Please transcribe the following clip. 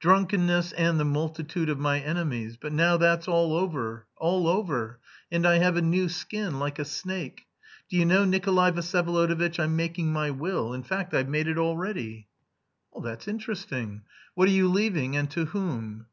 "Drunkenness, and the multitude of my enemies. But now that's all over, all over, and I have a new skin, like a snake. Do you know, Nikolay Vsyevolodovitch, I am making my will; in fact, I've made it already?" "That's interesting. What are you leaving, and to whom?"